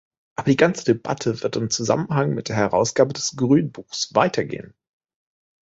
Aber die ganze Debatte wird im Zusammenhang mit der Herausgabe des Grünbuchs weitergehen.